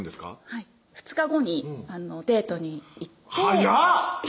はい２日後にデートに行って早っ！